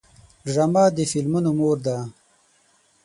ډرامه د فلمونو مور ده